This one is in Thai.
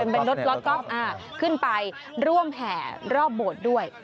เป็นรถล็อกก๊อฟขึ้นไปร่วมแห่รอบโบสถ์ด้วย